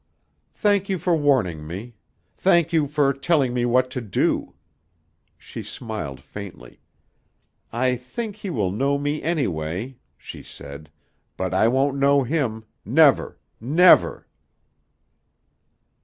"Thank you for warning me. Thank you for telling me what to do." She smiled faintly. "I think he will know me, anyway," she said, "but I won't know him. Never! Never!"